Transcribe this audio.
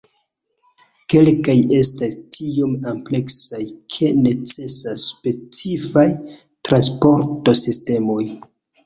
Kelkaj estas tiom ampleksaj ke necesas specifaj transporto-sistemoj.